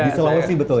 di selalu sih betul ya